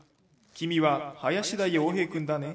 君は林田洋平君だね？」。